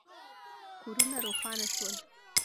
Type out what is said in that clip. کورونه روښانه شول.